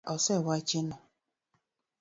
Kaka osewachi no.